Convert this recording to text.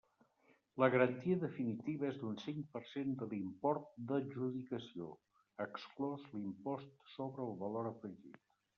La garantia definitiva és d'un cinc per cent de l'import d'adjudicació, exclòs l'Impost sobre el Valor Afegit.